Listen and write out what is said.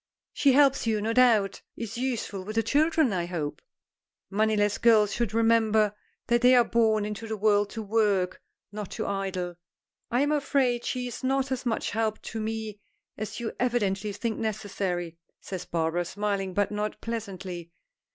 "She helps you, no doubt. Is useful with the children, I hope. Moneyless girls should remember that they are born into the world to work, not to idle." "I am afraid she is not as much help to me as you evidently think necessary," says Barbara smiling, but not pleasantly.